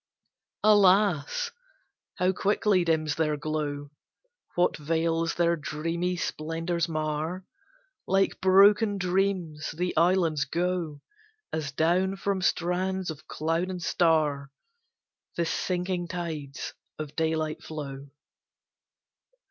Alas! how quickly dims their glow! What veils their dreamy splendours mar! Like broken dreams the islands go, As down from strands of cloud and star, The sinking tides of daylight flow.